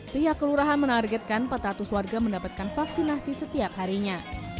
pihak kelurahan menargetkan petatus warga mendapatkan vaksinasi setiap harinya